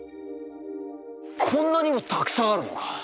こんなにもたくさんあるのか！